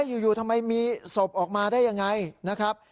อยู่ทำไมมีศพออกมาได้ยังไงนะครับ